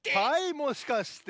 もしかして！